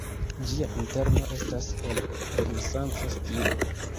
Ĝia interno estas el renesanca stilo.